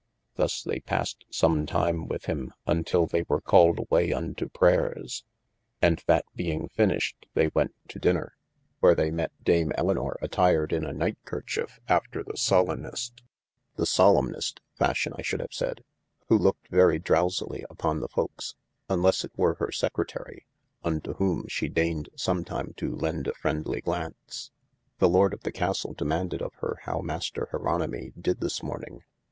Thus they passed some time with him untill they were called awaye unto prayers, and that 437 THE ADVENTURES being finished they went to dinner, where they met Dame Elynor attired in an night kerchiefe after the soolenest (the solempnest fashion I should have said,) who loked very drowsely upon all folkes, unlesse it were hir secretary, unto whom she deigned somtime to lend a frendly glaunce. The Lord of the Castle demaunded of hir how master Jeronemy did this morning.